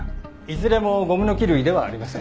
いずれもゴムノキ類ではありません。